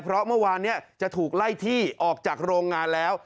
เพราะเมื่อวานจะถูกไล่ที่ออกจากโรงงานแล้ว